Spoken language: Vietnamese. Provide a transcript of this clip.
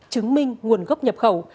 chứng minh nguồn gốc nhập khẩu